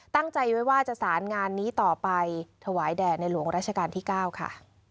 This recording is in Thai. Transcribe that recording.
ตั้งใจไว้ว่าจะสารงานนี้ต่อไปถวายแด่ในหลวงราชการที่๙ค่ะ